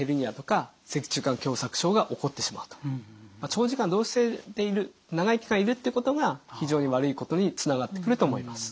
長時間同姿勢でいる長い期間いるってことが非常に悪いことにつながってくると思います。